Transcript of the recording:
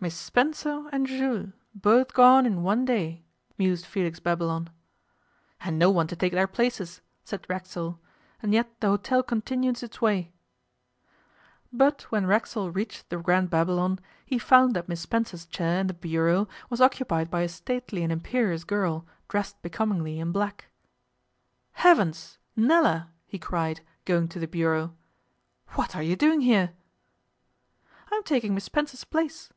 'Miss Spencer and Jules both gone in one day!' mused Felix Babylon. 'And no one to take their places,' said Racksole. 'And yet the hotel continues its way!' But when Racksole reached the Grand Babylon he found that Miss Spencer's chair in the bureau was occupied by a stately and imperious girl, dressed becomingly in black. 'Heavens, Nella!' he cried, going to the bureau. 'What are you doing here?' 'I am taking Mis Spencer's place.